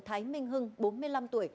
thái minh hưng bốn mươi năm tuổi